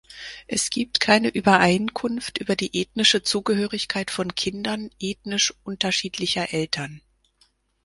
Es gibt keine Übereinkunft über die ethnische Zugehörigkeit von Kindern ethnisch unterschiedlicher Eltern.